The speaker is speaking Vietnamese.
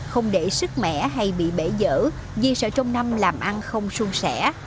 không để sứt mẻ hay bị bể dở vì sợ trong năm làm ăn không suôn sẻ